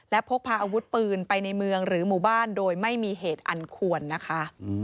และพกพาอาวุธปืนไปในเมืองหรือหมู่บ้านโดยไม่มีเหตุอันควรนะคะ